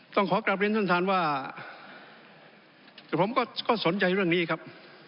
ต้องขอกลับเรียนท่านท่านว่าผมก็สนใจเรื่องนี้ครับ